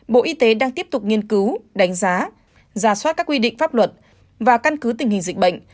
bộ y tế đang tiếp tục nghiên cứu đánh giá giả soát các quy định pháp luật và căn cứ tình hình dịch bệnh